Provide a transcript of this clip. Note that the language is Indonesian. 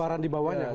jabaran di bawahnya